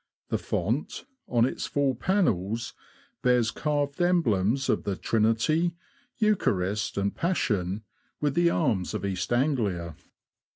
The font, on its four panels, bears carved emblems of the Trinity, Eucharist, and Passion, with the arms of East Anglia.